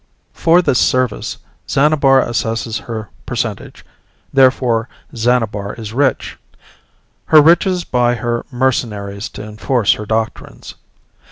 For this service Xanabar assesses her percentage, therefore Xanabar is rich. Her riches buy her mercenaries to enforce her doctrines.